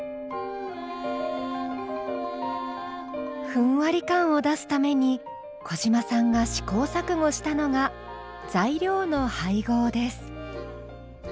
ふんわり感を出すために小嶋さんが試行錯誤したのが材料の配合です。